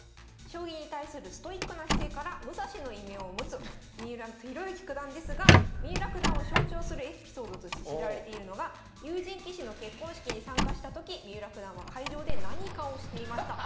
将棋に対するストイックな姿勢から武蔵の異名を持つ三浦弘行九段ですが三浦九段を象徴するエピソードとして知られているのが友人棋士の結婚式に参加したとき三浦九段は会場で何かをしていました。